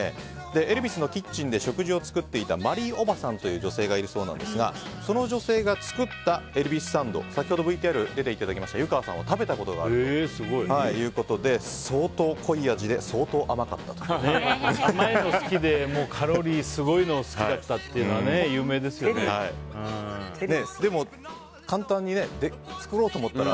エルヴィスのキッチンで食事を作っていたマリーおばさんという女性がいるそうですがその女性が作ったエルヴィスサンドを先ほどＶＴＲに出ていただいた湯川さんは食べたことがあるということで相当濃い味で甘いのが好きでカロリーすごいの好きだったというのはでも簡単に作ろうと思ったら。